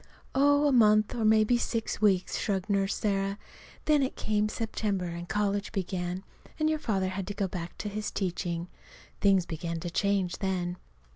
"Oh, a month, or maybe six weeks," shrugged Nurse Sarah. "Then it came September and college began, and your father had to go back to his teaching. Things began to change then."